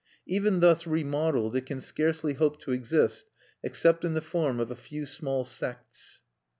Even thus remodeled it can scarcely hope to exist except in the form of a few small sects.